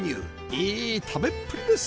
いい食べっぷりです！